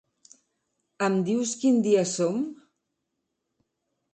Em dius quin dia som?